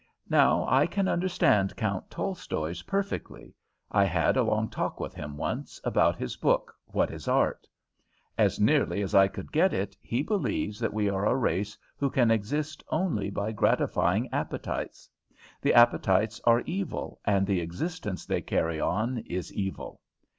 Now I can understand Count Tolstoy's, perfectly. I had a long talk with him once, about his book 'What is Art?' As nearly as I could get it, he believes that we are a race who can exist only by gratifying appetites; the appetites are evil, and the existence they carry on is evil.